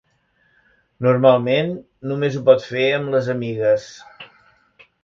Normalment només ho pot fer amb les amigues.